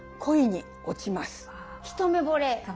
一目ぼれだ。